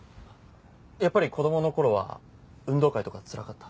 やっぱり子供の頃は運動会とかつらかった？